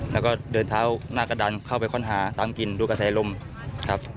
แล้วก็เดินเท้าหน้ากระดันเข้าไปค้นหาตามกินดูกระแสลมครับ